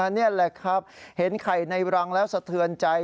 นี่แหละครับเห็นไข่ในรังแล้วสะเทือนใจ